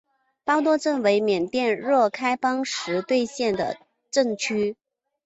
包多镇为缅甸若开邦实兑县的镇区。